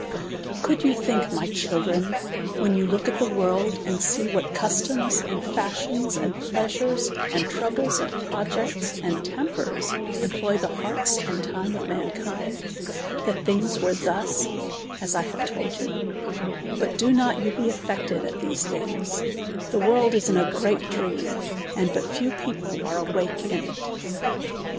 Conid yon Ihink, my children, when you look at the world, and see what customs, and fashions, and pleasures, and troubles, and |)rojects, and temp<Ms, employ ihe hearts and time of mankind, that thin«;s were thus, as I have told you/ IJut do not you he alfected at these thin«i,s, the world is in a ^reat dream, and but few people arc awake in it.